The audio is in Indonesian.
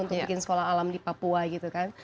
untuk bikin sekolah alam di papua gitu kan